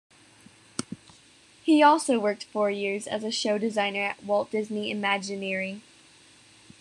He also worked four years as a Show Designer at Walt Disney Imagineering.